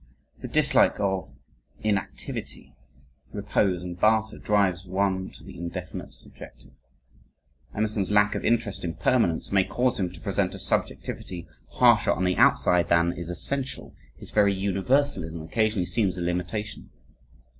The dislike of inactivity, repose and barter, drives one to the indefinite subjective. Emerson's lack of interest in permanence may cause him to present a subjectivity harsher on the outside than is essential. His very universalism occasionally seems a limitation.